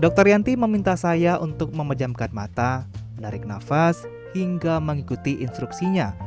dokter yanti meminta saya untuk memejamkan mata menarik nafas hingga mengikuti instruksinya